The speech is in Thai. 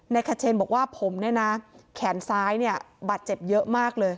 ขเชนบอกว่าผมเนี่ยนะแขนซ้ายเนี่ยบาดเจ็บเยอะมากเลย